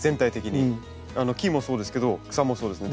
木もそうですけど草もそうですね。